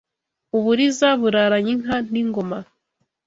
U Buriza buraranye inka n’ingoma